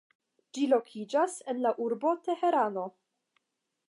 Ĝi lokiĝas en la urbo Teherano.